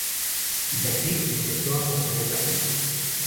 Y así, empezó a componer la pieza.